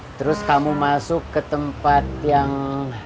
terus kamu masuk ke tempat yang